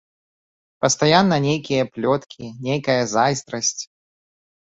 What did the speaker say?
Пастаянна нейкія плёткі, нейкая зайздрасць.